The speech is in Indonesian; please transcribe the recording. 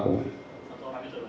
satu orang itu